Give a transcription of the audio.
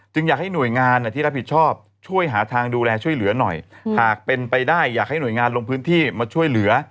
อยากให้หน่วยงานที่รับผิดชอบช่วยหาทางดูแลช่วยเหลือหน่อยหากเป็นไปได้อยากให้หน่วยงานลงพื้นที่มาช่วยเหลือ